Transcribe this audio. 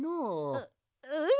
ううん。